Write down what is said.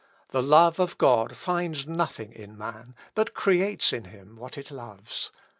"The love of God finds nothing in man, but creates in him what it loves.